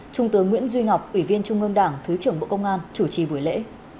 trung tướng nguyễn duy ngọc ủy viên trung ương đảng thứ trưởng bộ công an chủ trì buổi lễ